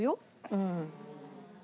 うん。